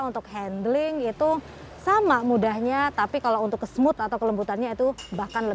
untuk handling itu sama mudahnya tapi kalau untuk ke smooth atau kelembutannya itu bahkan